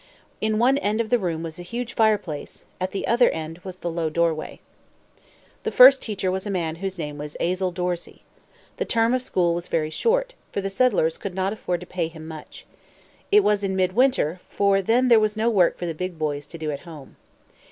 In one end of the room was a huge fireplace; at the other end was the low doorway. The first teacher was a man whose name was Azel Dorsey. The term of school was very short; for the settlers could not afford to pay him much. It was in mid winter, for then there was no work for the big boys to do at home.